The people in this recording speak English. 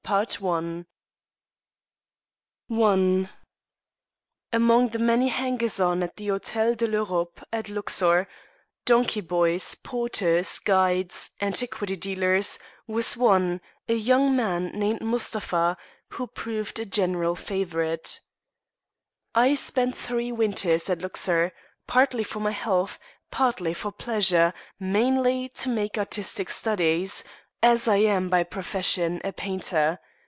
MUSTAPHA I Among the many hangers on at the Hotel de l'Europe at Luxor donkey boys, porters, guides, antiquity dealers was one, a young man named Mustapha, who proved a general favourite. I spent three winters at Luxor, partly for my health, partly for pleasure, mainly to make artistic studies, as I am by profession a painter.